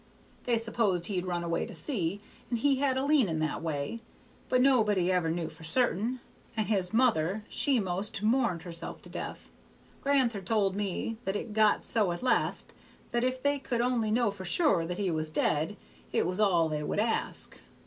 They supposed he'd run away to sea, as he had a leaning that way, but nobody ever knew for certain; and his mother she 'most mourned herself to death. Gran'ther told me that it got so at last that if they could only know for sure that he was dead it was all they would ask.